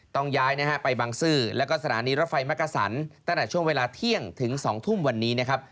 ต้องย้ายนะฮะไปบังซื้อแล้วก็สถานีรถไฟมักกะสันตั้งแต่ช่วงเวลาเที่ยงถึง๒ทุ่มวันนี้นะครับ